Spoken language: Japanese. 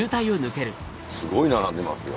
すごい並んでますよ。